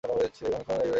অনেকক্ষণ এইভাবে গেল।